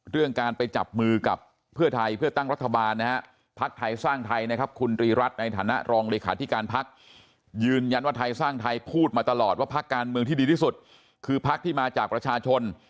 เรื่องการไปจับมือกับเพื่อไทยเพื่อตั้งรัฐบาลนะฮะพักไทยสร้างไทยนะครับคุณตรีรัฐในฐานะรองเลขาธิการพักยืนยันว่าไทยสร้างไทยพูดมาตลอดว่าพักการเมืองที่ดีที่สุดคือพักที่มาจากประชาชน